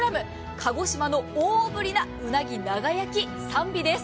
鹿児島の大振りな鰻長焼き３尾です。